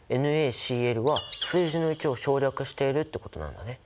ＮａＣｌは数字の１を省略しているってことなんだね。